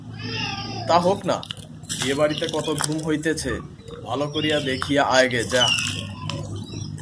তা হোক-না, বিয়েবাড়িতে কত ধুম হইতেছে, ভালো করিয়া দেখিয়া আয় গে যা।